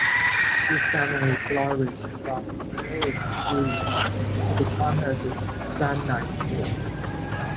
This family flourished from the earliest period to the time of the Samnite Wars.